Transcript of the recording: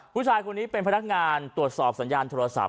ผู้ชายคนนี้เป็นพนักงานตรวจสอบสัญญาณโทรศัพท์